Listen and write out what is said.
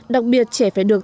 đặc biệt trẻ phải được